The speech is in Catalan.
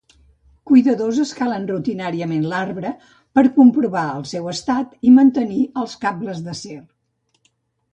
Cuidadors escalen rutinàriament l'arbre per comprovar el seu estat i mantenir els cables d'acer.